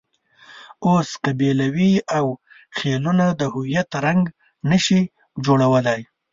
اوس قبیلویت او خېلونه د هویت رنګ نه شي جوړولای.